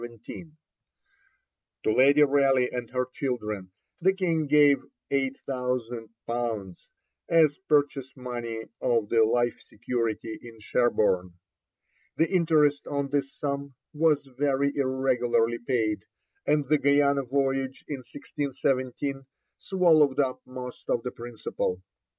To Lady Raleigh and her children the King gave 8,000_l._ as purchase money of the life security in Sherborne. The interest on this sum was very irregularly paid, and the Guiana voyage in 1617 swallowed up most of the principal.